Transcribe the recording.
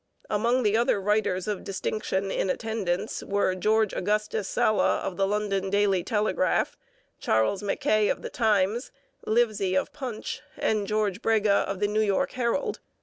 Among the other writers of distinction in attendance were George Augustus Sala of the London Daily Telegraph, Charles Mackay of The Times, Livesy of Punch, and George Brega of the New York Herald.